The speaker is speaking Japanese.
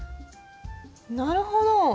なるほど！